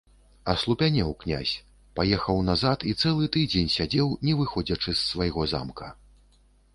Аслупянеў князь, паехаў назад і цэлы тыдзень сядзеў, не выходзячы з свайго замка.